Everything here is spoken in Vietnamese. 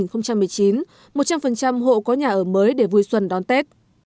một trăm linh hộ có nhà ở mới để vui xuân đón tết